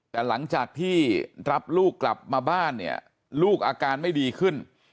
แต่หลังจากที่รับลูกกลับมาบ้านเนี่ยลูกอาการไม่ดีขึ้น